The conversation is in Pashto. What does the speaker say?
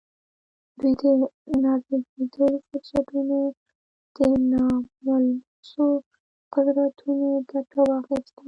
دوی د نازېږېدلو فرصتونو له ناملموسو قدرتونو ګټه واخيسته.